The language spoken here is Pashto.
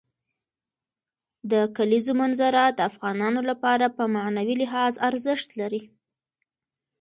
د کلیزو منظره د افغانانو لپاره په معنوي لحاظ ارزښت لري.